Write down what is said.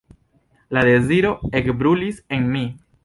La deziro ekbrulis en mi.